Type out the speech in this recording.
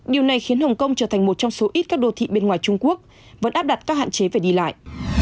điều này khiến hồng kông trở thành một trong số ít các đô thị bên ngoài trung quốc vẫn áp đặt các hạn chế về đi lại